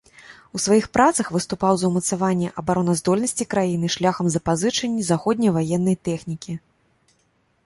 У сваіх працах выступаў за ўмацаванне абараназдольнасці краіны шляхам запазычанні заходняй ваеннай тэхнікі.